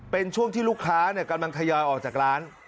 เป็นช่วงที่ลูกค้ากำลังทยอยออกจากร้าน